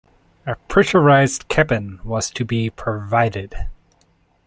A pressurized cabin was to be provided.